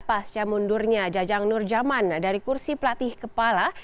pas jam mundurnya jajang nur jaman dari kursi pelatih kepala